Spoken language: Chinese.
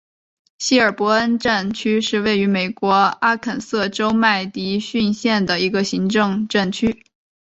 希尔伯恩镇区是位于美国阿肯色州麦迪逊县的一个行政镇区。